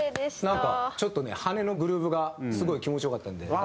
なんかちょっとね跳ねのグルーヴがすごい気持ち良かったので。